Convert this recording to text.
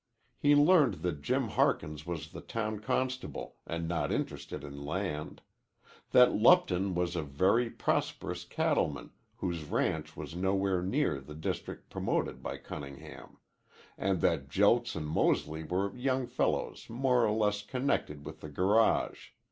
He learned that Jim Harkins was the town constable and not interested in land; that Lupton was a very prosperous cattleman whose ranch was nowhere near the district promoted by Cunningham; and that Jelks and Mosely were young fellows more or less connected with the garage.